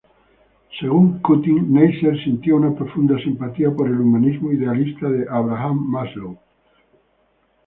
Según Cutting, Neisser sintió una "profunda simpatía por el humanismo idealista" de Abraham Maslow.